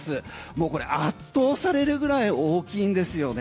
もうこれ、圧倒されるぐらい大きいんですよね。